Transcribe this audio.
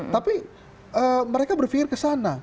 tapi mereka berpikir ke sana